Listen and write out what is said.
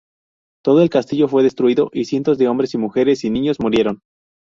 Todo el castillo fue destruido y cientos de hombres, mujeres y niños murieron.